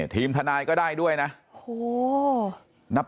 ทีมทนายก็ได้ด้วยนะ